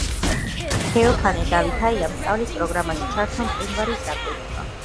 თეოფანე დავითაიამ სწავლის პროგრამაში ჩართო მყინვარის ზედაპირის ტემპერატურაზე დაკვირვება.